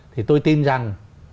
thì tôi tin rằng